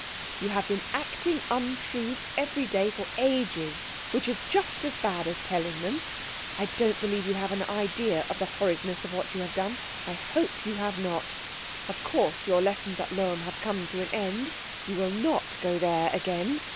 "You have been acting untruths every day for ages, which is just as bad as telling them. I don't believe you have an idea of the horridness of what you have done I hope you have not. Of course your lessons at Lohm have come to an end. You will not go there again.